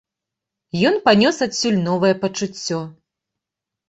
Ён панёс адсюль новае пачуццё.